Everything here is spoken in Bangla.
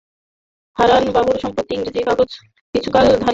হারানবাবুর সম্পাদিত ইংরেজি কাগজ কিছুকাল ধরিয়া সে পড়ে নাই।